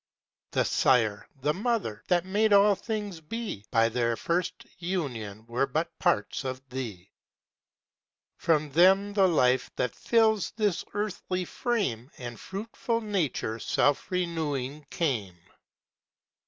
The Sire, the Mother that made all things be By their first union were but parts of Thee. From them the life that fills this earthly frame, And fruitful Nature, self renewing, came.